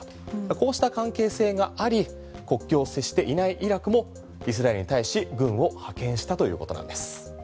こうした関係性があり、国境を接していないイラクもイスラエルに対し軍を派遣したということなんです。